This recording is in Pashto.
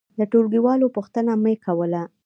د ټولګي والو پوښتنه مې کوله.